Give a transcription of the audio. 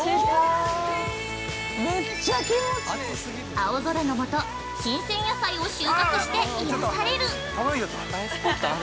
◆青空のもと新鮮野菜を収穫して癒される。